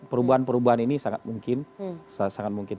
perubahan perubahan ini sangat mungkin